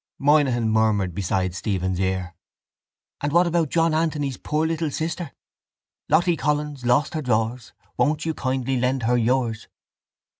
Moynihan murmured beside Stephen's ear: —And what about John Anthony's poor little sister: Lottie Collins lost her drawers; Won't you kindly lend her yours?